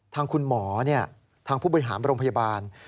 ทางคุณหมอทางผู้บริหารโรงพยาบาล